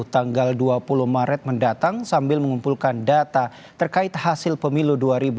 tanggal dua puluh maret mendatang sambil mengumpulkan data terkait hasil pemilu dua ribu dua puluh